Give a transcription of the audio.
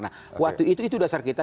nah waktu itu itu dasar kita